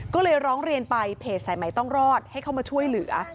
ก็เลยร้องเรียนไปเพจสายใหม่ต้องรอดให้เข้ามาช่วยเหลือ